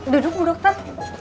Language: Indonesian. duduk bu dokter